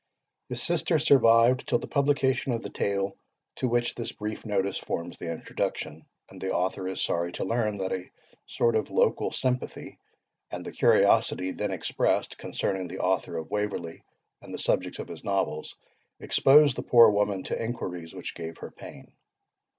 His sister survived till the publication of the tale to which this brief notice forms the introduction; and the author is sorry to learn that a sort of "local sympathy," and the curiosity then expressed concerning the Author of WAVERLEY and the subjects of his Novels, exposed the poor woman to enquiries which gave her pain.